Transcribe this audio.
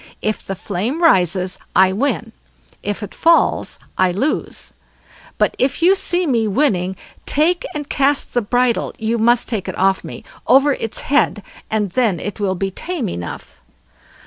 If the flame rises, I win; if it falls, I lose; but if you see me winning take and cast the bridle—you must take it off me—over its head, and then it will be tame enough."